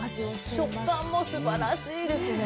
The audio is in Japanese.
食感もすばらしいですね。